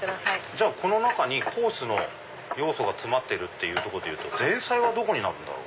じゃあこの中にコースの要素が詰まってるとこでいうと前菜はどこになるんだろう？